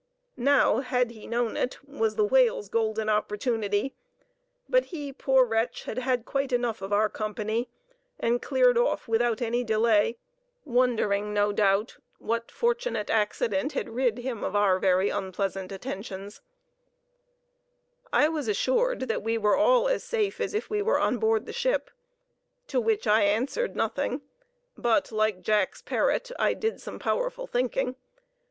Now, had he known it, was the whale's golden opportunity; but he, poor wretch, had had quite enough of our company, and cleared off without any delay, wondering, no doubt, what fortunate accident had rid him of our very unpleasant attentions. [Illustration: "He Lifted His Lance and Hurled It at the Visitor"] I was assured that we were all as safe as if we were on board the ship, to which I answered nothing; but, like Jack's parrot, I did some powerful thinking.